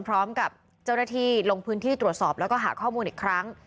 พร้อมกับเจ้าหน้าที่ลงพื้นที่ตรวจสอบแล้วก็หาข้อมูลอีกครั้ง